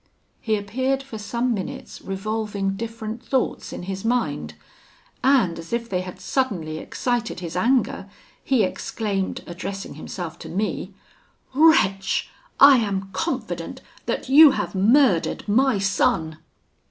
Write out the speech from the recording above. He appeared for some minutes revolving different thoughts in his mind; and as if they had suddenly excited his anger, he exclaimed, addressing himself to me: 'Wretch! I am confident that you have murdered my son!'